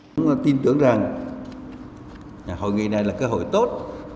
chúng tôi tin tưởng rằng hội nghị này là cơ hội tốt